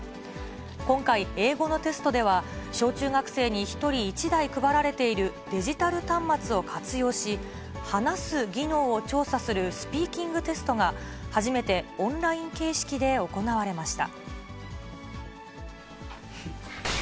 今回、英語のテストでは、小中学生に１人１台配られているデジタル端末を活用し、話す技能を調査するスピーキングテストが、初めてオンライン形式で行われました。